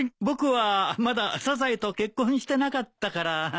僕はまだサザエと結婚してなかったから。